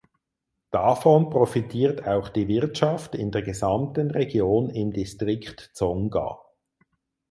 Davon profitiert auch die Wirtschaft in der gesamten Region im Distrikt Tsonga.